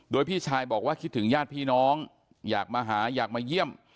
โดยพี่ชายบอกว่าคิดถึงญาติพี่น้องอยากมาหาอยากมาเยี่ยม